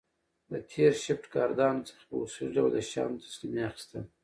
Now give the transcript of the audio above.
د تېر شفټ ګاردانو څخه په اصولي ډول د شیانو تسلیمي اخیستل